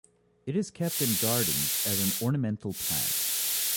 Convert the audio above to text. It is kept in gardens as an ornamental plant.